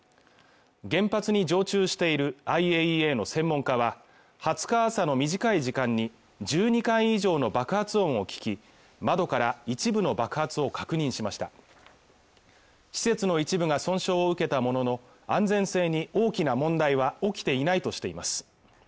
原発に常駐しているＩＡＥＡの専門家は２０日朝の短い時間に１２回以上の爆発音を聞き窓から一部の爆発を確認しました施設の一部が損傷を受けたものの安全性に大きな問題は起きていないとしています